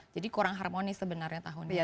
jadi kurang harmonis sebenarnya tahunnya